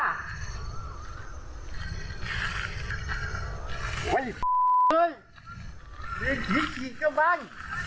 โหยหลีกเจ้าบ้าน